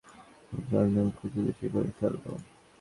ওকে একদম কুচিকুচি করে ফেলবো।